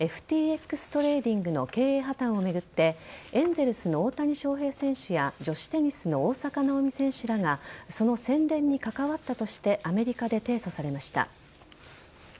ＦＴＸトレーディングの経営破綻を巡ってエンゼルスの大谷翔平選手や女子テニスの大坂なおみ選手らがその宣伝に関わったとしてアメリカで提訴されました。